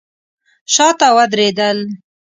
شاته ودرېدل.